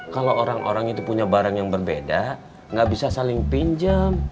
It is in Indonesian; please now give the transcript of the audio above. kalau orang orang itu punya barang yang berbeda nggak bisa saling pinjam